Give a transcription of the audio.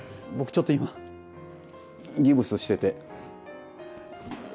僕ちょっと今ギプスしてて。